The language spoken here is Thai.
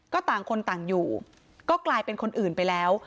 ก็ต่างคนต่างอยู่ก็กลายเป็นคนอื่นไปแล้ว